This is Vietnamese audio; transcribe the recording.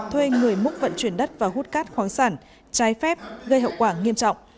thuê người múc vận chuyển đất và hút cát khoáng sản trái phép gây hậu quả nghiêm trọng